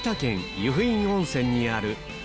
由布院温泉にある界